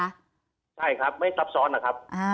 ใช่ครับไม่ซับซ้อนนะครับ